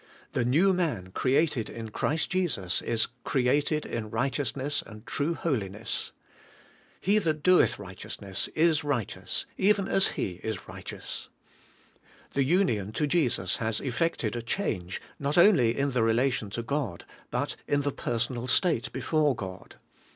The new man created in Christ Jesus, is 'created in righteousness and true holiness.' 'He that doeth righteousness is righteous, even as He is righteous. ' The union to Jesus has eflEected a change not only in the relation to God, but in the personal state before God.